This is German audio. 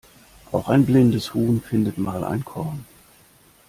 Auch ein blindes Huhn findet mal ein Korn.